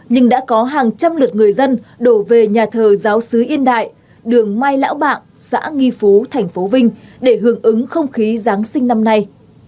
nhưng đã có hàng trăm lượt người dân đổ về nhà thờ giáo sứ yên đại đường mai lão bạc xã nghi phú thành phố vinh để hưởng ứng không khí giáng sinh năm nay